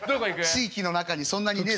地域の中にそんなにねえ。